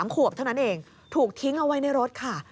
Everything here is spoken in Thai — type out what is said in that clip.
๓ขวบเท่านั้นเองถูกทิ้งเอาไว้ในรถค่ะ